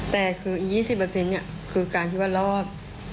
แต่คืออีก๒๐คือการที่ว่ารอด